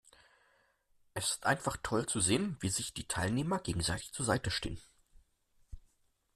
Es ist einfach toll zu sehen, wie sich die Teilnehmer gegenseitig zur Seite stehen.